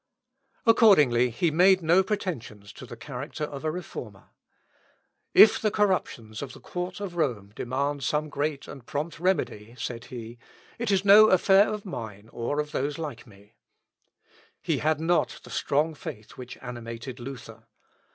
Accordingly, he made no pretensions to the character of a Reformer. "If the corruptions of the Court of Rome demand some great and prompt remedy," said he, "it is no affair of mine, or of those like me." He had not the strong faith which animated Luther.